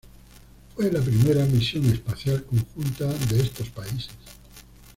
Fue la primera misión espacial conjunta de estos países.